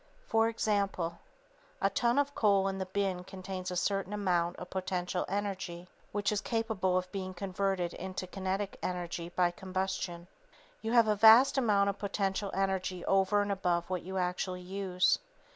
For example, a ton of coal in the bin contains a certain amount of potential energy, which is capable of being converted into kinetic energy by combustion. [Sidenote: Holding the Top Pace] You have a vast amount of potential energy over and above what you actually use.